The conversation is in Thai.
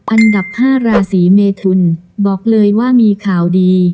อันดับ๕ราศีเมทุนบอกเลยว่ามีข่าวดี